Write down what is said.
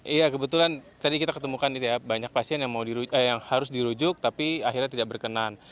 iya kebetulan tadi kita ketemukan gitu ya banyak pasien yang harus dirujuk tapi akhirnya tidak berkenan